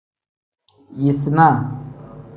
Yisinaa.